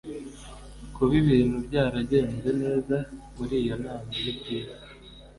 kuba ibintu byaragenze neza muri iyo nama ni byiza